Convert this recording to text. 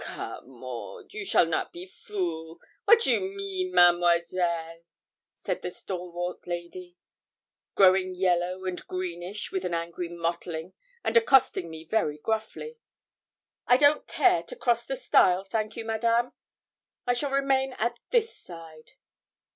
'Come, Maud, you shall not be fool wat you mean, Mademoiselle?' said the stalworth lady, growing yellow and greenish with an angry mottling, and accosting me very gruffly. 'I don't care to cross the stile, thank you, Madame. I shall remain at this side.'